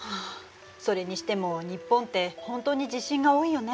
それにしても日本って本当に地震が多いよね。